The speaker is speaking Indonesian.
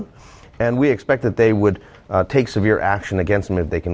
dan kami harap mereka akan melakukan aksi yang sering terhadap mereka